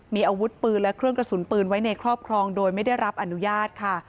มีอาวุธปืนและเครื่องกระสุนปืนไว้ในครอบครองโดยไม่ได้รับอนุญาตค่ะ